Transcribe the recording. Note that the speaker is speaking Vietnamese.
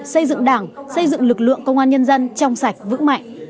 xây dựng đảng xây dựng lực lượng công an nhân dân trong sạch vững mạnh